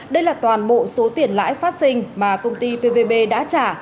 đây là toàn bộ số tiền lãi phát sinh mà công ty pvb đã trả